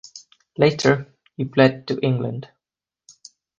Later, he fled to England.